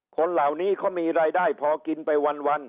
คนเหล่านี้เขามีรายได้พอกินไปวัน